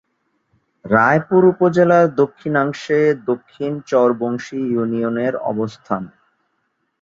রায়পুর উপজেলার দক্ষিণাংশে দক্ষিণ চর বংশী ইউনিয়নের অবস্থান।